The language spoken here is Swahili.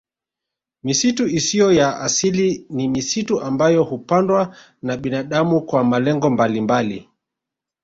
Misitu isiyo ya asili ni misitu ambayo hupandwa na binadamu kwa malengo mbalimbali